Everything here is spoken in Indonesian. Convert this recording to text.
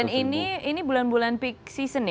dan ini bulan bulan peak season ya